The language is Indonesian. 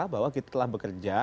bahwa kita telah bekerja